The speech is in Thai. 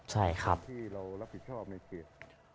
ใช่ครับ